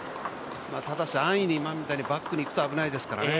ただし安易に今みたいにバックでいくと危ないですからね。